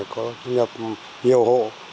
có thu nhập nhiều hộ